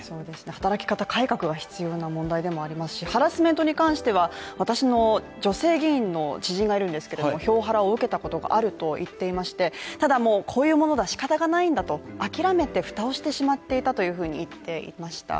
働き方改革が必要な問題でもありますし、ハラスメントに関しては、私の女性議員の知人がいるんですけど票ハラを受けたことがあると言っていまして、ただもうこういうものは仕方がないんだと諦めて蓋をしてしまっていたというふうに言っていました。